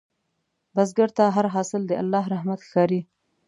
بزګر ته هر حاصل د الله رحمت ښکاري